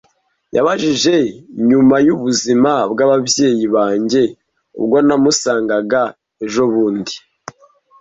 Yabajije nyuma yubuzima bwababyeyi banjye ubwo namusangaga ejobundi.